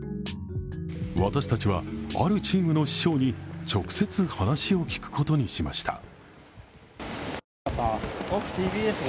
私たちは、あるチームの師匠に直接話を聞くことにしました。